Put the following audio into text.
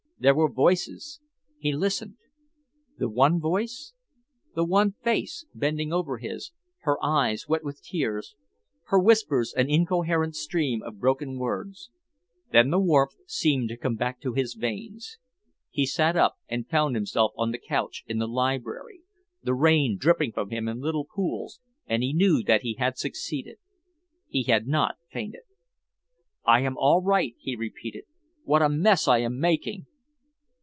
There were voices. He listened. The one voice? The one face bending over his, her eyes wet with tears, her whispers an incoherent stream of broken words. Then the warmth seemed to come back to his veins. He sat up and found himself on the couch in the library, the rain dripping from him in little pools, and he knew that he had succeeded. He had not fainted. "I am all right," he repeated. "What a mess I am making!"